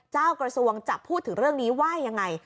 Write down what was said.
กระทรวงจะพูดถึงเรื่องนี้ว่ายังไง